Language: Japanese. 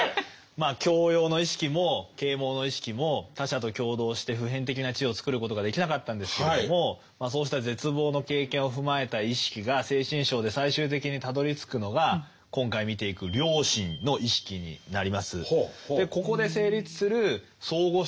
まあ教養の意識も啓蒙の意識も他者と共同して普遍的な知をつくることができなかったんですけれどもそうした絶望の経験を踏まえた意識が「精神章」で最終的にたどりつくのが今回見ていく良心の意識になります。